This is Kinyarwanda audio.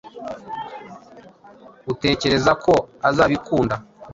Utekereza ko azabikunda?